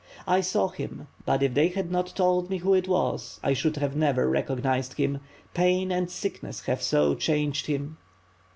"I saw him; but if they had not told me who it was, I should not have recognized him. Pain and sickness have so changed him."